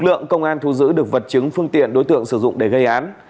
lực lượng công an thu giữ được vật chứng phương tiện đối tượng sử dụng để gây án